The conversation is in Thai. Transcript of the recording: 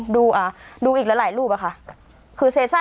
ดูอ่ะดูอีกละหลายรูปอ่ะค่ะ